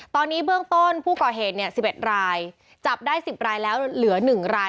ตอนนี้เบื้องต้นผู้ก่อเหตุเนี่ยสิบเอ็ดรายจับได้สิบรายแล้วเหลือหนึ่งราย